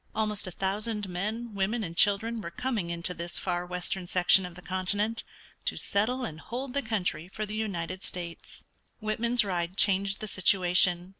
Almost a thousand men, women, and children were coming into this far western section of the continent to settle and hold the country for the United States. Whitman's ride changed the situation.